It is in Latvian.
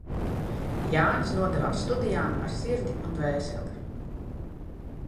Jānis nodevās studijām ar sirdi un dvēseli.